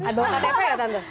ada otp gak tante